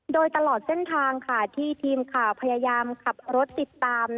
โดยตลอดเส้นทางที่ทีมข่าวพยายามขับรถติดตาม